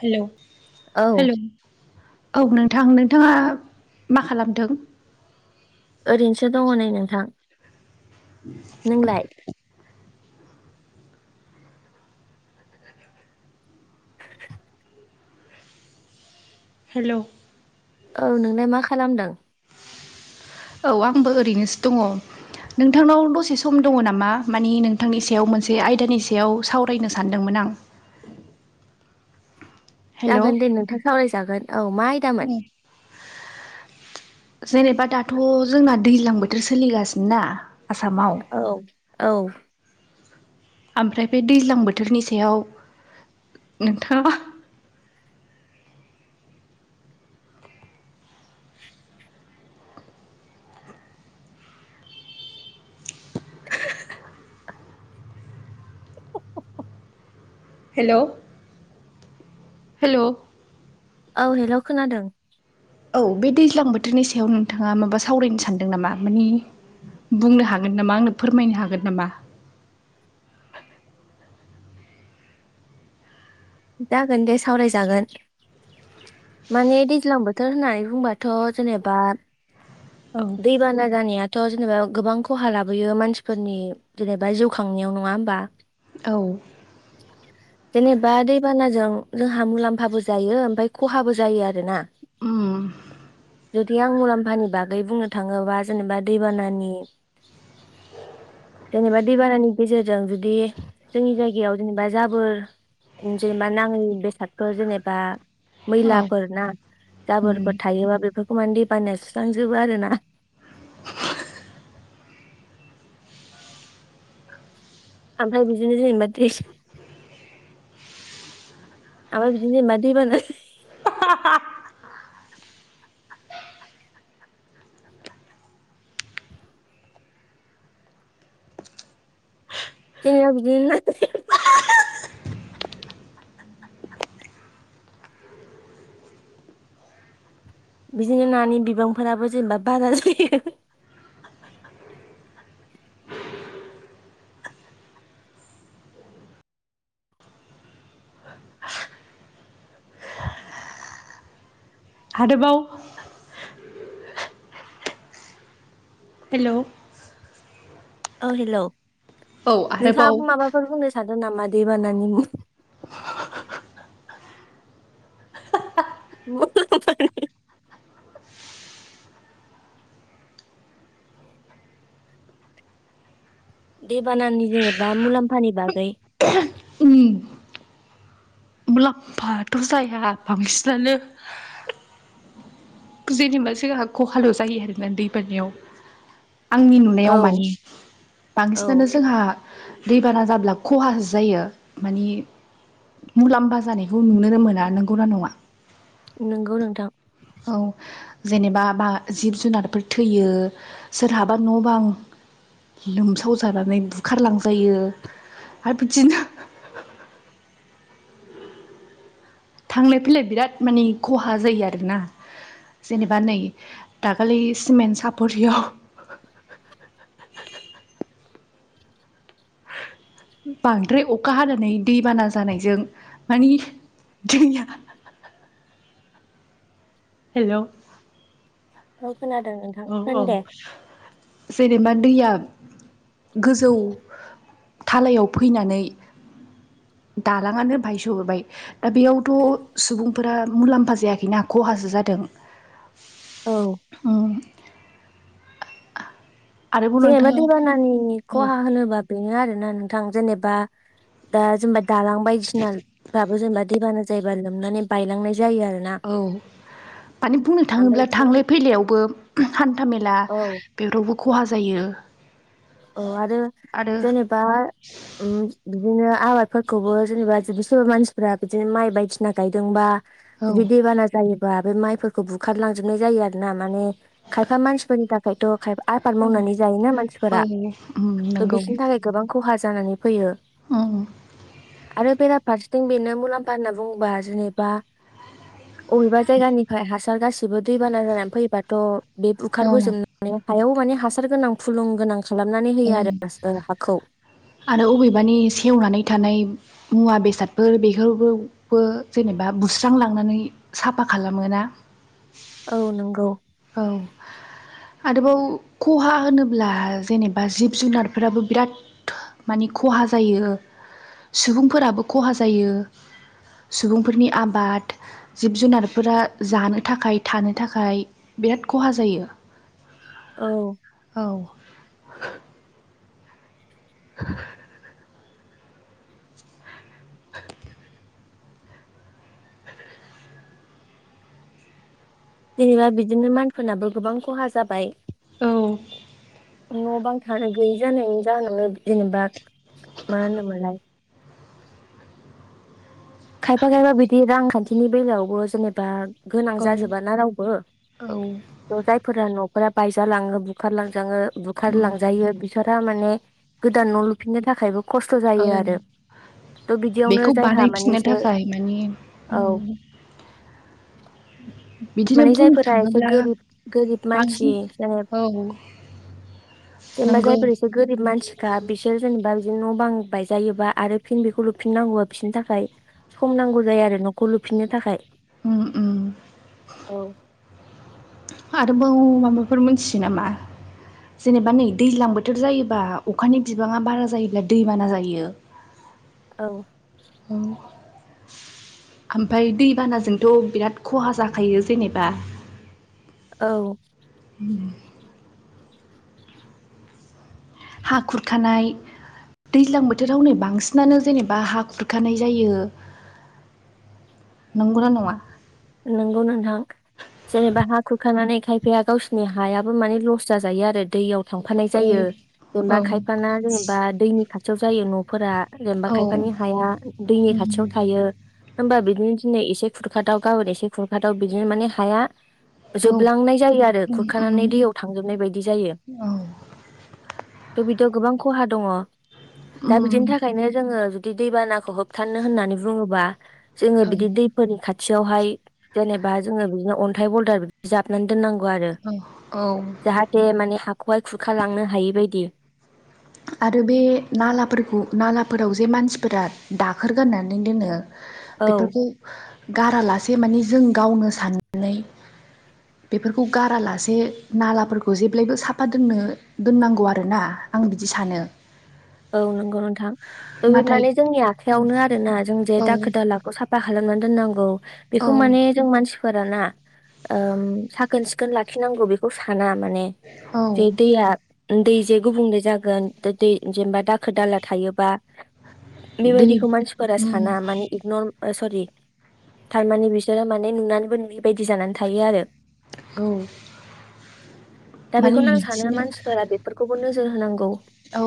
Hello औ hello औ नोंथां नोंथाङा मा खालामदों? ओरैनोसो दङ नै नोंथां। नोंलाय [inaudible] हेलौ औ नोंलाय मा खालामदों? औ आंबो ओरैनोसो दङ। नोंथांनाव दसे सम दङ नामा माने नोंथांनि सायाव मोनसे आयदानि सायाव सावरायनो सानदोंमोन। आं हेल' जागोन दे नोंथां सावरायजागोन औ मा आयदामोन? जेनेबा दाथ' जोंना दैलां बोथोर सोलिगासिनो ना आसामाव औ औ आमफ्राय बे दैलां बोथोरनि सायाव नोंथाङा हेलौ हेल' औ हेल' खोनादों। औ बे दैज्लां बोथोरनि सायाव नोंथाङा माबा सावरायनो सानदों नामा माने बुंनो हागोन नामा आंनो फोरमायनो हागोन नामा? जागोन दे सावरायजागोन। माने दैज्लां बोथोर होननानै बुंबाथ' जेनेबा औ दैबाना जानायाथ' जेनेबा गोबां खहा लाबोयो मानसिफोरनि जेनेबा जिउ खांनायाव नङा होमबा? औ जेनेबा दै बान जों जोंहा मुलाम्फाबो जायो ओमफाय खहाबो जायो आरोना उम जुदि आं मुलाम्फानि बागै बुंनो थाङोबा जेनेबा दैबानानि [inaudible] जेनेबा दैबानानि गेजेरजों जुदि जोंनि जायगायाव जेनेबा जाबोर जेनेबा नाङि बेसादफोर जेनेबा औ मैलाफोर ना उम जाबोरफोर थायोबा बेफोरखौ माने दै बाना सुस्रांजोबो आरोना [inaudible] ओमफ्राय बिदिनो जेनेबा द्रेस आफाय बिदिनो दैबाना [unintelligible] [unintelligible] बिदिनो नानि बिबांफोराबो जेनेबा बारा जायो। हादोबाव हेल' औ हेलौ औ आरोबाव नोंथाङा माबाफोर बुंनो सानो नामा दैेबानानि [unintelligible] दैबानानि जेनेबा मुलाम्फानि बागै उम थ' जाया बांसिनानो जेनेबा जोंहा खहाल' जायो आरोना दै बानायाव आंनि नुनायाव औ माने औ बांसिनानो जोंहा दैबाना जाब्ला खहा सो जायो माने मुलाम्फा जानायखौ नुनोनो मोना नंगौना नङा। नंगौ नोंथां औ जेनेबा बा जिब जुनारफोर थैयो सोरहाबा न' बां लोमसाव जानानै बुखारलांजायो आरो बिदिनो थांलाय फैलाय बिराद माने खहा जायो आरोना। जेनेबा नै दाखालि सिमेन्ट सापरियाव [inaudible] बांद्राय अखा हानानै दैबाना जानायजों माने दैया [inaudible] हेलौ औ खोनादों नोंथां औ होन औ दे जेनेबा दैया गोजौ थालायाव फैनानै [inaudible] दालाङानो बाहायस होबाय दा बेयावथ' सुबुंफोरा मुलाम्फा जायाखैना खहासो जादों। दों। औ आरोबाव जेनेबा नोंथाङा दैबानानि औ खहा होनोबा बेनो आरोना नोंथां जेनेबा दा जेनेबा दालां बायदिसिनाफ्राबो जेनेबा दैबाना जायोबा लोमनानै बायलांनाय जायो आरोना औ माने बुंनो ओमफ्राय थाङोब्ला बिथिं थांलाय फैलायावबो हान्था मेला औ बेफोरावबो खहा ज जायो औ आरो आरो जेनेबा उम बिदिनो आबादफोरखौबो जेनेबा जुदि सोरबा मानसिफ्रा बिदिनो माइ बायदिसिना गायदोंबा औ बिदि दैबाना जायो बा बे माइफोरखौ बुखारलांजोबनाय जायो आरो ना माने खायफा मानसिफोरनि थाखायथ' खायफा आबाद मावनानै जायोना मानसिफोरा नोंगौ उम थ' नोंगौ बिसोरनि थाखाय गोबां खहा जानानै फै आरो बेरा फारसेथिं बेनो मुलाम्फा होनना बुङोबा जेनेबा अबेबा जायगानिफ्राय हासार गासिबो दैबाना जानानै फैबाथ' बे औ बुखारबोजोबनानै हायाव माने हासार गोनां फुलुं गोनां खालामनानै होयो उम आरो हाखौ आरो अबेबानि सेवनानै थानाय मुवा बेसादफोर बेफोरफोरखौबो जेनेबा बुस्रां लांनानै साफा खालामोना [inaudible] औ नंगौ [inaudible] आरोबाव खहा होनोब्ला जेनेबा जिब जुनारफोराबो बिराद माने खहा जायो सुबुंफोराबो खहा जायो सुबुंफोरनि आबाद जिब जुनारफोरा जानो थाखाय थानो थाखाय बिराद खहा जायो औ औ [inaudible] [inaudible] जेनेबा बिदिनो मानसिफोरनाबो गोबां खहा जाबाय औ न' बां थानो गैयि जानायनि जाहोनावनो जेनेबा मा होनोमोनलाय खायफा खायफा बिदि रांखान्थिनि बेलायावबो जेनेबा गोनां औ जाजोबाना रावबो औ थ' जायफोरा न' फोरा बायजालाङो बुखारलांजाङो बुखार उम लांजायो बिसोरा माने गोदान न' लुफिननो थाखायबो खस्थ' जायो औ आरो थ बिदियावनो जायहा माने एसे जाय माने औ उम माने जायफोरा एसे गोरिब गोरिब मानसि बांसिन जेने औ जेनेबा नंगौ जायफोर एसे गोरिब मानसिखा बिसोर जेनेबा बिदिनो न' बां बायजायोबा आरो फिन बेखौ लुफिननांगौब बिसोरनि थाखाय सम नांगौ जायो आरो न'खौ लुफिननो थाखाय उम उम औ आरोबाव माबाफोर मोनथियो नामा जेनेबा नै दैज्लां बोथोर जायोबा अखानि बिबाङा बारा जायोब्ला दैबाना जायो [inaudible] औ औ ओमफफ्राय दैबानाजोंथ' बिराद खहा जाखायो जेनेबा औ [inaudible] हा खुरखानाय दैज्लां बोथोराव नै बांसिनानो जेनेबा हा खुरखानाय जायो नंगौना नङा नोंगौ नोंथां जेनेबा हा खुरखानानै खायफाया गावसिनि हायाबो माने लस जाजायो आरो दैयाव थांफानाय औ जायो औ जेनबा खायफाना जेनेबा दैनि खाथियाव जायो न'फोरा जेनेबा औ खायफानि हाया दैनि उम खाथियाव थायो होमबा बिदिनो दिनै एसे खुरखादाव गाबोन एसे खुरखादाव बिदिनो माने हाया औ जोबलांनाय जायो आरो उम उम खुरखानानै दैयाव थांजोबनाय बायदि जायो औ थ' बिदि गोबां खहा दङ दा उम बिदिनि थाखायनो जोङो बि दैबानाखौ होबथानो होननानै बुङोबा जोङो औ बिदि दैफोरनि खाथि खाथियावहाय जेनेबा जोङो बिदिनो अन्थाइ बलदार बि जाबनानै दोननांगौ आरो औ औ जाहाथे माने हाखौहाय खुरखालांनो हायि बादि आरो बे नालाफोरखौ नालाफोराव जे मानसिफोरा दाखोर गारनानै दोनो औ बेफोरखौ गारालासे माने जों गावनो साननानै बेफोरखौ गारालासे नालाफोरखौ जेब्लायबो साफा दोननो दोननांगौ आरोना आं बिद सानो औ नंगौ नोंथां थह बे नाथाय माने जोंनि आखायावनो आरोना जों जे औ दाखोर दालाखौ साफा खालामनानै। दोनांगौ औ बेखौ माने जों मानसि फोराना ओ साखोन सिखोन लाखिनांगौ बेखौ साना। माने औ जे दैया दै जे गुबुंले जागोन दै दै। जेनेबा दाखो दाला थायोबा दै बेबायदिखौ मानसिफोरा उम साना माने इगनर सरि थारमाने बिसोरो माने नुनानैबो नुयै बदि जानानै थायो आरो। औ दा माने बेखौनो आं सानो बिदिनो मानसिफोरा बेफोरखौबो नोजो। जोर होनांगौ। औ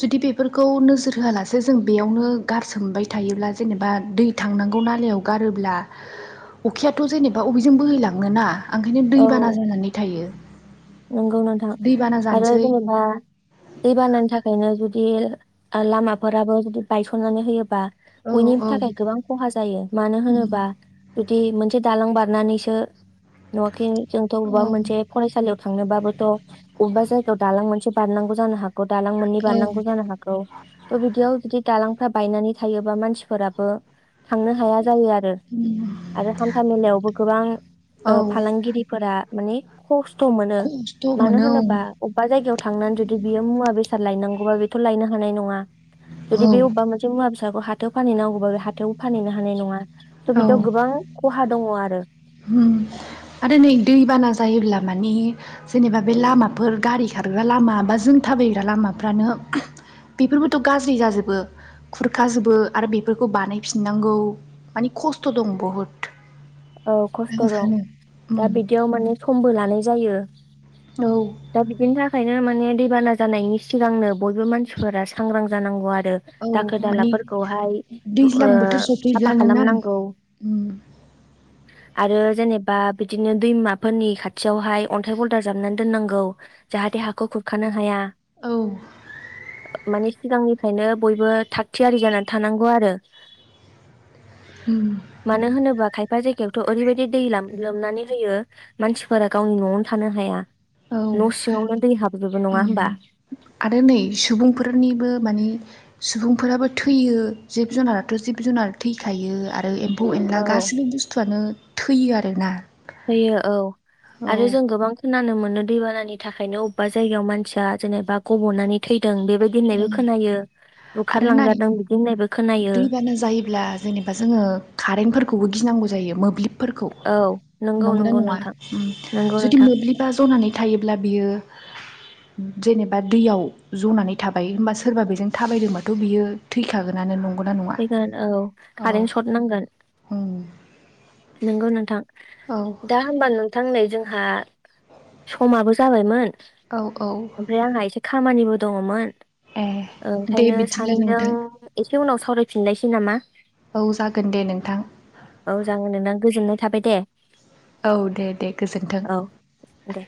जुदि बेफोरखौ नोजोर होआलासे जों बेयावनो गारसोमबाय थायोब्ला जेनेबा दै थांना। नांगौ नालायाव गारोब्ला अखायथ' जेनेबा अबेजों बोहैलांनोना। ओंखायनो औ दैबाना जानानै थायो। नंगौ नोंथां दैबाना आरो जानोसै जेनेबा दै बानानि थाखायनो जुदि लामाफोराबो जुदि बायसननानै होयोबा। औ बयनिबो औ थाखाय गोबां खहा जायो मानो उम होनोबा जुदि मोनसे दालां बार नानैसो नुवाखै जोंथ' अबेबा औ मोनसे फरायसालियाव थांनोबाबोथ' अबेबा जायगायाव दालां मोनसे बारनांगौ जानो हाग गौ दालां मोननै औ बारनांगौ जानो हागौ थ' बिदियाव जुदि दालांफ्रा बायनानै थायोबा मानसिफोराबो थांनो हाया जायो आरो। उम आरो हान्था मेलायावबो गोबां औ ओ फालांगिरिफोरा। मानि खस्थ' मोनो खस्थ' मानो मोनो होनोबा अब्बा जायगायाव थांनानै जुदि बियो मुवा बेसाद साद लायनांगौबा बेथ' लायनो हानाय नंङा औ जुदि बे अब्बा मुवा बेसाद फिसाखौ हाथायाव फानहैनांगौबा बे हाथायाव फानहैनो हानाय नंङा थ' बिदियाव गोबां खहा दंङ आरो। होम आरो नै दैबाना जायोब्ला मानि जेनेबा बे लामाफोर गारिखा खारग्रा लामा बा जों थाबायग्रा लामाफ्रानो बेफोरबोथ' गाज्रि जाजोबो। खुरखाजोबो आरो बेफोरखौ बानायफिननांगौ मानि खस्थ' दं बहुद। औ खस्थ' आं दं सानो दा उम बिदियाव माने समबो लानाय जायो। औ दा बिदिनि थाखायनो माने दैबाना जानायनि सिगांनो बयबो मानसिफोरा सांग्रां जानांगौ आरो। रो औ दाखोर माने दालाफोरखौहाय ओ दैज्लां बोथोर साफा सफैब्लानो ना खालामनांगौ। उम आरो जेनेबा बिदिनो दैमाफोरनि खाथियावहाय अन्थाइ बलदार जाबनानै दोननांगौ। जाहाथे हाखौ खुरखानो हाया। औ माने सिगांनिफ्रायनो बयबो थाग थियारि जानानै थानांगौ आरो। उम मानो होनोबा खायफ फा जायगायावथ' ओरैबायदि दैलाम लोमनानै होयो मानसिफोरा गावनि न'आवनो थानो हाया। औ न'सिंयावनो दै हाब आरो नै सुबुंफोरनिबो मानि सुबुंफोराबो थैयो जिब जुनाराथ' जिब जुनार थैखायो आर आरो एम्फौ औ एनला गाैबो बुस्थुआनो थैयो आरोना‌। होयो औ आरो जों गोबां खोनानो मोन नो दैबानानि थाखायनो अब्बा जायगायाव मानसिया जेनेबा गब'नानै थै दों बेबायदि होननायबो ओं खोनायो बुखारलांजादों बिदि होननायबो। खोनायो दैबानो जायोब्ला जेनेबा जोंङो कारेन्टफोरखौबो गिनांगौ जायो मोब्लिब फोरखौ औ नंगौ नंगौना नंगौ नंङा नोंथां नंगौ जुदि नोंथां मोब्लिबा जनानै थायोब्ला बियो जेनेबा दैयाव ज'नानै थाबाय होमबा सोरबा बेजों थाबायदोंबाथ' बियो थैखागोन। फैगोन औ कारेन्ट सर्ट नांगोन उम नंगौ नोंथां। औ दा होमबा नोंथां नै जोंहा समाबो जाबायमोन। औ औ ओमफ्राय आंहा एसे खामानिबो दंङमोन ए दे ओंखायनो बिदिब्ला सानैजों नोंथां एसे उनाव सावराय औ जागोन दे नोंथां औ जागोन नोंथां गोजोननाय थाबाय दे औ दे दे गोजोन्थों औ दे